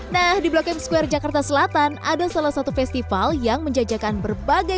nah di blok m square jakarta selatan ada salah satu festival yang menjajakan berbagai